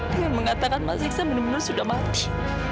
dengan mengatakan mas iksan bener bener sudah mati